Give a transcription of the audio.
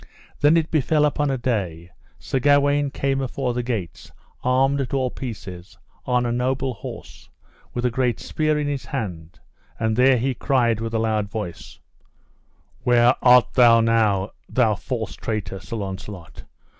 Then it befell upon a day, Sir Gawaine came afore the gates armed at all pieces on a noble horse, with a great spear in his hand; and then he cried with a loud voice: Where art thou now, thou false traitor, Sir Launcelot?